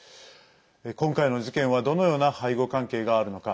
今回の事件はどのような背後関係があるのか。